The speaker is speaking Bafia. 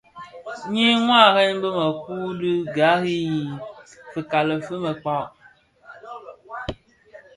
Nyi waren bi měkure dhi gari yi fikali fi měkpa.